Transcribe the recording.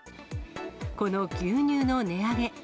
この牛乳の値上げ。